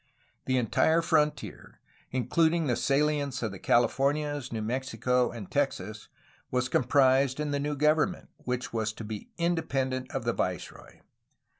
The entire frontier, including the saHents of the Californias, New Mexico, and Texas, was comprised in the new govern ment, which was to be independent of the viceroy.